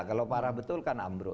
kalau parah betul kan ambruk